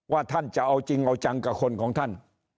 ว่าท่านจะเอาจริงเอาจังกับคนของท่าน